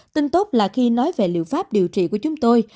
tin tốt là khi nói về liệu pháp điều trị của chúng tôi